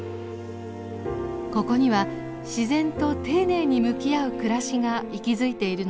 ここには自然と丁寧に向き合う暮らしが息づいているのです。